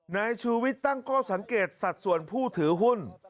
ในชีวิตตั้งก็สังเกตสัดส่วนผู้ถือหุ้น